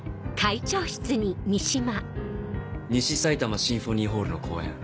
西さいたまシンフォニーホールの公演